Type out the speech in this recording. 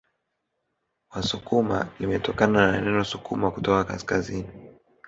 Wasukuma limetokana na neno sukuma kutoka kaskazini